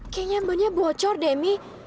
kayaknya ban nya bocor deh mami